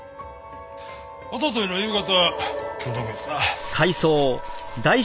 おとといの夕方届けたな。